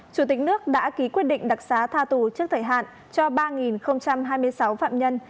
chủ tịch nước đã ký quyết định đặc xá tha tù trước thời hạn cho ba hai mươi sáu phạm nhân